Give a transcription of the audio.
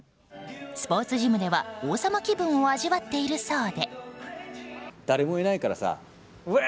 スポーツジムでは王様気分を味わっているそうで。